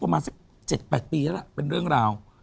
ประมาณสัก๗๘ปีแล้วล่ะเป็นเรื่องราว